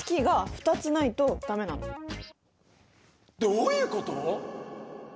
どういうこと？